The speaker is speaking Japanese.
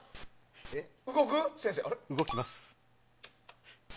動きます。